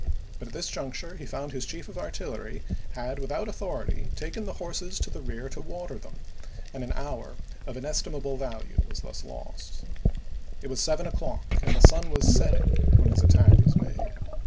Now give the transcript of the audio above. But at this juncture he found his chief of artillery had without authority taken the horses to the rear to water them, and an hour of inestimable value was thus lost. It was seven o'clock and the sun was setting when his attack was made.